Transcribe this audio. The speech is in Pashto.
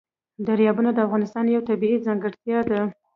دریابونه د افغانستان یوه طبیعي ځانګړتیا ده.